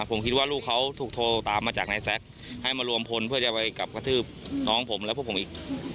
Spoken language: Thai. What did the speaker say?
ผมคิดว่าลูกเขาถูกโทรตามมาจากนายแซคให้มารวมพลเพื่อจะไปกลับกระทืบน้องผมและพวกผมอีก